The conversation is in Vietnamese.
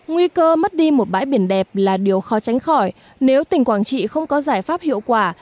nguy cơ mất đi một bãi biển đẹp là điều khó tránh khỏi nếu tỉnh quảng trị không có giải pháp hiệu quả